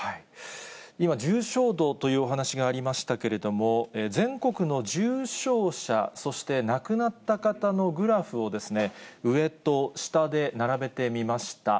今、重症度というお話がありましたけれども、全国の重症者、そして亡くなった方のグラフを、上と下で並べてみました。